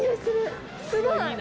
すごい！